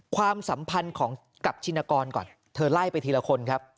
ความสัมพันธ์ของกับชินกรก่อนเธอไล่ไปทีละคนครับ